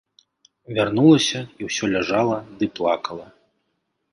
Вярнулася і ўсё ляжала ды плакала.